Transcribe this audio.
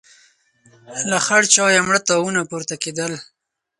له خړ چايه مړه تاوونه پورته کېدل.